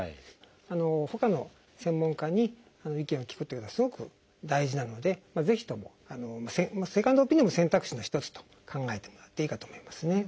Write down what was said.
ほかの専門家に意見を聞くというのはすごく大事なのでぜひともセカンドオピニオンも選択肢の一つと考えてもらっていいかと思いますね。